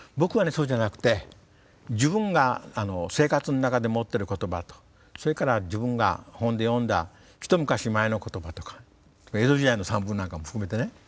そうじゃなくて自分が生活の中で持ってる言葉とそれから自分が本で読んだひと昔前の言葉とか江戸時代の散文なんかも含めてね